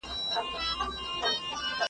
نګهبان مي خپل ازل دی د دښتونو لاله زار یم ,